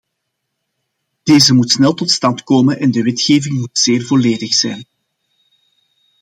Deze moet snel tot stand komen en de wetgeving moet zeer volledig zijn.